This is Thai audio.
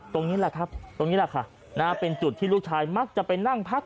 ตรงนี้แหละครับตรงนี้แหละค่ะเป็นจุดที่ลูกชายมักจะไปนั่งพัก